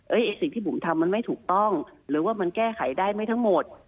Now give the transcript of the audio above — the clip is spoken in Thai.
ไอ้สิ่งที่บุ๋มทำมันไม่ถูกต้องหรือว่ามันแก้ไขได้ไม่ทั้งหมด